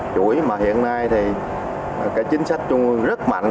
chuỗi mà hiện nay thì cái chính sách trung ương rất mạnh